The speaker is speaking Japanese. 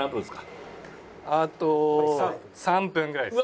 あと３分ぐらいです。